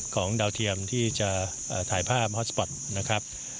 ดาวเทียมที่จะถ่ายภาพฮอสปอร์ตนะครับ